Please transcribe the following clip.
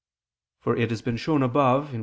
For it has been shown above (Q.